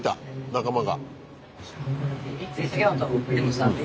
仲間が。